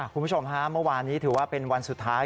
คุณผู้ชมฮะเมื่อวานนี้ถือว่าเป็นวันสุดท้าย